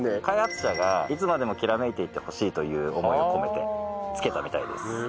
開発者がいつまでも煌めいていてほしいという思いを込めて付けたみたいです。